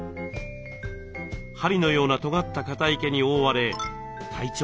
針のようなとがった硬い毛に覆われ体長およそ２０センチ。